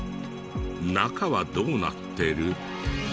中はどうなってる？